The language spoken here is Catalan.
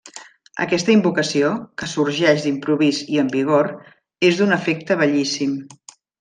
Aquesta invocació, que sorgeix d'improvís i amb vigor, és d'un efecte bellíssim.